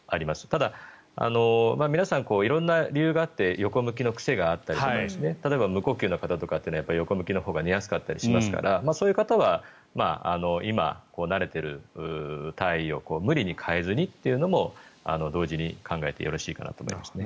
ただ、皆さん色々な理由があって横向きの癖があったり例えば無呼吸の方というのは横向きのほうが寝やすかったりしますからそういう方は今、慣れている体位を無理に変えずにというのも同時に考えてよろしいかなと思います。